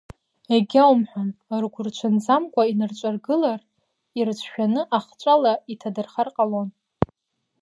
Егьаумҳәан, ргәырҽанӡамкәа инырҿагылар, ирыцәшәаны ахҿала иҭадырхар ҟалон.